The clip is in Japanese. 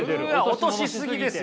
落とし過ぎですよ！